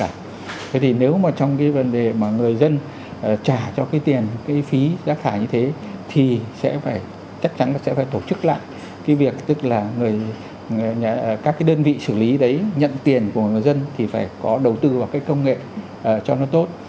thế thì nếu mà trong cái vấn đề mà người dân trả cho cái tiền cái phí rác thải như thế thì sẽ phải chắc chắn là sẽ phải tổ chức lại cái việc tức là các cái đơn vị xử lý đấy nhận tiền của người dân thì phải có đầu tư vào cái công nghệ cho nó tốt